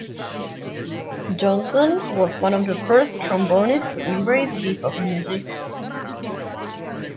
Johnson was one of the first trombonists to embrace bebop music.